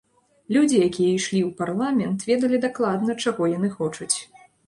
Людзі, якія ішлі ў парламент, ведалі дакладна, чаго яны хочуць.